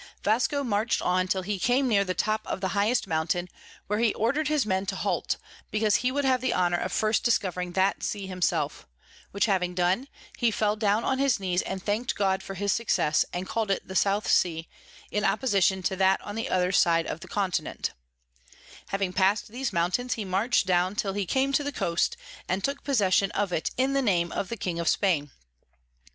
Vasco march'd on till he came near the top of the highest Mountain, where he order'd his Men to halt, because he would have the honour of first discovering that Sea himself: which having done, he fell down on his knees and thank'd God for his Success, and call'd it the South Sea, in opposition to that on the other side the Continent, Having pass'd these Mountains, he march'd down till he came to the Coast, and took possession of it in the name of the King of Spain.